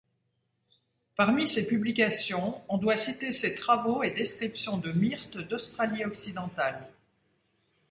Parmi ses publications, on doit citer ses travaux et descriptions de myrtes d’Australie-Occidentale.